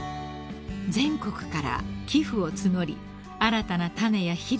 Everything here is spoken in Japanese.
［全国から寄付を募り新たな種や肥料を購入］